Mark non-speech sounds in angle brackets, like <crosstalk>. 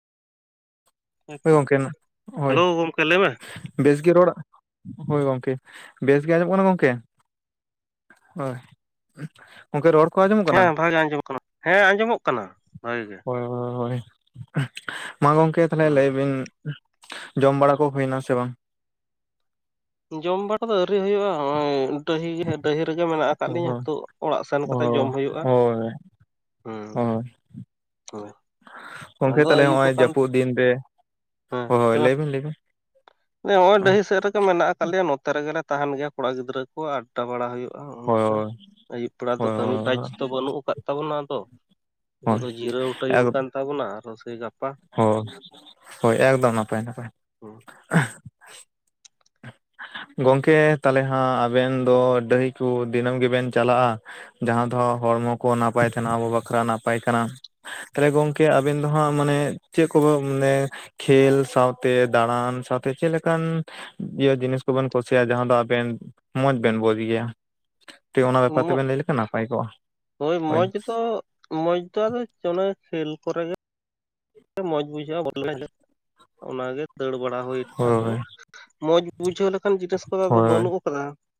ᱦᱳᱭ ᱜᱚᱝᱠᱮ ᱱᱟᱜ ᱦᱳᱭ᱾ ᱦᱮᱞᱳ ᱜᱚᱢᱠᱮ ᱞᱟᱹᱭ ᱢᱮ ᱵᱮᱥ ᱜᱮ ᱨᱚᱲᱟ, ᱦᱳᱭ ᱜᱚᱝᱠᱮ, ᱵᱮᱥ ᱜᱮ ᱟᱸᱡᱚᱢ ᱠᱟᱱᱟ ᱜᱚᱝᱠᱮ? ᱦᱳᱭ᱾ ᱜᱚᱝᱠᱮ ᱨᱚᱲ ᱠᱚ ᱟᱸᱡᱚᱢᱚᱜ ᱠᱟᱱᱟ? ᱦᱮᱸ ᱵᱷᱟᱜᱮ ᱟᱸᱡᱚᱢᱚᱜ ᱠᱟᱱᱟ ᱦᱮᱸ ᱟᱸᱡᱚᱢᱚᱜ ᱠᱟᱱᱟ ᱵᱷᱟᱜᱮ ᱜᱮ ᱦᱳᱭ ᱦᱳᱭ ᱦᱳᱭ᱾ ᱢᱟ ᱜᱚᱝᱠᱮ ᱛᱟᱦᱞᱮ ᱦᱮᱸ ᱞᱟᱹᱭ ᱵᱤᱱ ᱡᱚᱢ ᱵᱟᱲᱟ ᱠᱚ ᱦᱩᱭᱱᱟ ᱥᱮ ᱵᱟᱝ? ᱡᱚᱢ ᱵᱟᱲᱟ ᱫᱚ ᱟᱹᱣᱨᱤ ᱦᱩᱭᱩᱜᱼᱟ ᱦᱚᱸᱜᱼᱚᱭ ᱰᱟᱹᱦᱤ ᱦᱮ ᱰᱟᱹᱦᱤ ᱨᱮᱜᱮ ᱢᱮᱱᱟᱜ ᱟᱠᱟᱫ ᱚ ᱞᱤᱧ ᱛᱳ ᱚᱲᱟᱜ ᱥᱮᱱ ᱚ ᱠᱟᱛᱮᱜ ᱡᱚᱢ ᱦᱩᱭᱩᱜᱼᱟ᱾ ᱦᱳᱭ᱾ ᱦᱩᱸ᱾ ᱦᱳᱭ ᱦᱳᱭ᱾ ᱜᱚᱝᱠᱮ ᱟᱫᱚ ᱛᱟᱦᱞᱮ ᱟᱹᱭᱩᱵ ᱦᱚᱸᱜᱼᱚᱭ ᱟᱠᱟᱱ ᱡᱟᱹᱯᱩᱫ ᱫᱤᱱ ᱨᱮ, ᱦᱳᱦᱳᱭ ᱞᱟᱹᱭ ᱵᱤᱱ ᱞᱟᱹᱭ ᱵᱤᱱ᱾ ᱞᱟᱹᱭ ᱫᱟᱹᱧ ᱦᱚᱸᱜᱼᱚᱭ ᱦᱳᱭ ᱰᱟᱹᱦᱤ ᱥᱮᱫ ᱨᱮᱜᱮ ᱢᱮᱱᱟᱜ ᱟᱠᱟᱫ ᱞᱮᱭᱟ ᱱᱚᱛᱮ ᱨᱮᱜᱮᱞᱮ ᱛᱟᱦᱮᱱ ᱜᱮᱭᱟ ᱠᱚᱲᱟ ᱜᱤᱫᱽᱨᱟᱹ ᱠᱚ ᱟᱰᱰᱟ ᱵᱟᱲᱟ ᱦᱩᱭᱩᱜᱼᱟ ᱦᱳᱭ ᱚᱱᱠᱟ᱾ ᱟᱹᱭᱩᱵ ᱵᱮᱲᱟ ᱫᱚ ᱠᱟᱹᱢᱤ ᱠᱟᱡᱽ ᱦᱳᱭ ᱛᱚ ᱵᱟᱹᱱᱩᱜ ᱟᱠᱟᱫ ᱛᱟᱵᱚᱱᱟ ᱟᱫᱚ, ᱦᱤᱛᱚᱜ ᱦᱳᱭ ᱫᱚ ᱡᱤᱨᱟᱹᱣ ᱴᱟᱭᱤᱢ ᱠᱟᱱ ᱛᱟᱵᱚᱱᱟ ᱟᱨᱚ ᱥᱮᱭ ᱜᱟᱯᱟ᱾ ᱦᱳ, ᱦᱳᱭ ᱮᱠᱫᱚᱢ ᱱᱟᱯᱟᱭ ᱱᱟᱯᱟᱭ᱾ <inaudible> ᱜᱚᱝᱠᱮ ᱛᱟᱦᱞᱮ ᱦᱟᱸᱜ ᱟᱵᱮᱱ ᱫᱚ ᱰᱟᱹᱦᱤ ᱠᱚ ᱫᱤᱱᱟᱹᱢ ᱜᱮᱵᱮᱱ ᱪᱟᱞᱟᱜᱼᱟ? ᱡᱟᱦᱟᱸ ᱫᱚ ᱦᱚᱲᱢᱚ ᱠᱚ ᱱᱟᱯᱟᱭ ᱛᱟᱦᱮᱱᱟ ᱟᱵᱚ ᱵᱟᱠᱷᱨᱟ ᱱᱟᱯᱟᱭ ᱠᱟᱱᱟ᱾ ᱛᱟᱦᱞᱮ ᱜᱚᱝᱠᱮ ᱟᱵᱮᱱ ᱫᱚ ᱦᱟᱸᱜ ᱢᱟᱱᱮ ᱪᱮᱫ ᱠᱚᱵᱮ ᱢᱟᱱᱮ ᱠᱷᱮᱞ ᱥᱟᱶᱛᱮ ᱫᱟᱬᱟᱱ ᱥᱟᱶᱛᱮ ᱪᱮᱫ ᱞᱮᱠᱟᱱ ᱤᱭᱟᱹ ᱡᱤᱱᱤᱥ ᱠᱚᱵᱮᱱ ᱠᱩᱥᱤᱭᱟᱜᱼᱟ ᱡᱟᱦᱟᱸ ᱫᱚ ᱟᱵᱮᱱ ᱢᱚᱸᱡᱽ ᱵᱮᱱ ᱵᱩᱡ ᱜᱮᱭᱟ? ᱴᱤᱡ ᱚᱱᱟ ᱵᱮᱯᱟᱨ ᱛᱮᱵᱮᱱ ᱞᱟᱹᱭ ᱞᱮᱠᱷᱟᱱ ᱱᱟᱯᱟᱭ ᱠᱚᱜᱼᱟ ᱦᱳᱭ᱾ ᱢᱚᱡᱽ ᱫᱚ ᱢᱚᱡᱽ ᱫᱚ ᱟᱫᱚ ᱪᱮ ᱚᱱᱟ ᱠᱷᱮᱞ ᱠᱚᱨᱮ ᱜᱮ ᱢᱚᱡᱽ ᱵᱩᱡᱷᱟᱹᱜᱼᱟ <inaudible> ᱚᱱᱟᱜᱮ ᱫᱟᱹᱲ ᱵᱟᱲᱟ ᱦᱩᱭ ᱦᱳᱭ <inaudible> ᱢᱚᱸᱡᱽ ᱵᱩᱡᱷᱟᱹᱣ ᱞᱮᱠᱟᱱ ᱡᱤᱱᱤᱥ ᱠᱚᱫᱚ ᱟᱫᱚ ᱦᱳᱭ ᱵᱟᱹᱱᱩᱜ ᱟᱠᱟᱫᱟ᱾